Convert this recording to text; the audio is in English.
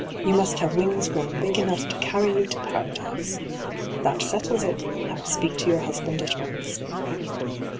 You must have win(p grown big enough to carry you to Paradise. That settles it. I will speak to your husband at once.'